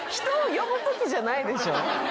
人を呼ぶときじゃないでしょ？